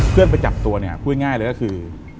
เพื่อนไปจับตัวเนี่ยพูดง่ายเลยก็คือ